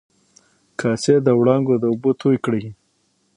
کاسي د و ړانګو د اوبو توی کړي